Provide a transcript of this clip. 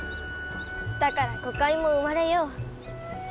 だから誤解も生まれよう。